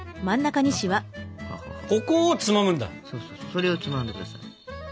それをつまんで下さい。